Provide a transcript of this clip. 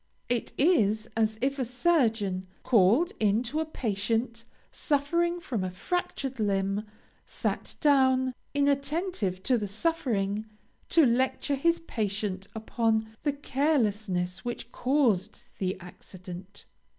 It is as if a surgeon, called in to a patient suffering from a fractured limb, sat down, inattentive to the suffering, to lecture his patient upon the carelessness which caused the accident.